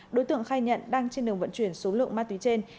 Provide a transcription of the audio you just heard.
đối tượng khai nhận đang trên đường vận chuyển số lượng ma túy trên